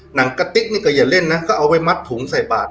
หนังกะติ๊กนี่ก็อย่าเล่นนะก็เอาไว้มัดถุงใส่บาท